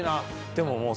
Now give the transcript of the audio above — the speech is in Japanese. でももう